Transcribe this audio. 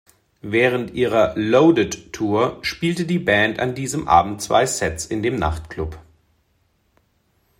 Während ihrer „Loaded-Tour“ spielte die Band an diesem Abend zwei Sets in dem Nachtklub.